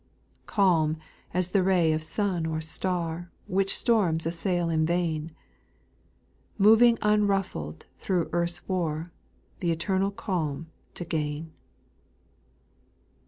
Calm as the ray of sun or star Which storms assail in vain, Moving unruffled through earth's war, Th' eternal calm to gain.